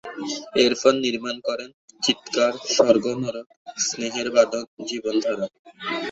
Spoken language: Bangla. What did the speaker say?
এরপর নির্মাণ করেন "চিৎকার", "স্বর্গ নরক", "স্নেহের বাঁধন", "জীবন ধারা"।